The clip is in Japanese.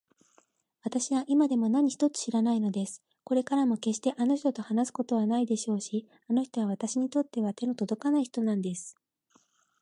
わたしは今でも何一つ知らないのです。これからもけっしてあの人と話すことはないでしょうし、あの人はわたしにとっては手のとどかない人なんです。